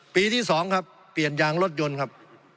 ปีที่๒ครับเปลี่ยนยางรถยนต์ครับ